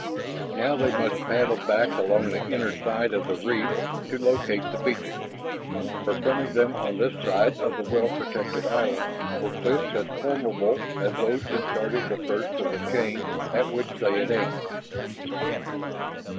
Now they must paddle back along the inner side of the reef to locate the beaches, for fronting them on this side of the well protected island were cliffs as formidable as those which guarded the first of the chain at which they had aimed.